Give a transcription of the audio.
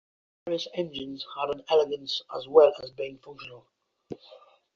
The various engines had an elegance as well as being functional.